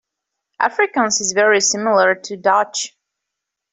Afrikaans is very similar to Dutch.